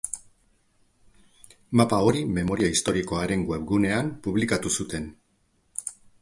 Mapa hori memoria historikoaren webgunean publikatu zuten.